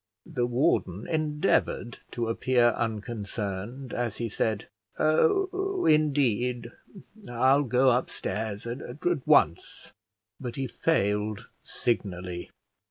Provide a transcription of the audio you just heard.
The warden endeavoured to appear unconcerned, as he said, "Oh, indeed! I'll go upstairs at once;" but he failed signally.